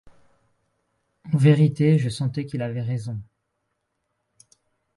En vérité, je sentais qu'il avait raison.